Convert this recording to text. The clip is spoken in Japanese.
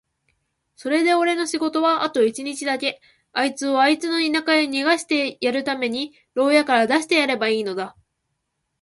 それでおれの仕事はあと一日だけ、あいつをあいつの田舎へ逃してやるために牢屋から出してやればいいのだ。